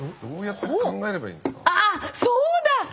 ああそうだ！